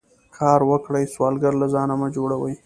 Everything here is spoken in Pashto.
کار وکړئ سوالګر له ځانه مه جوړوئ